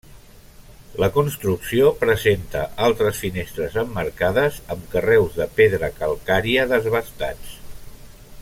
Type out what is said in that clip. La construcció presenta altres finestres emmarcades amb carreus de pedra calcària desbastats.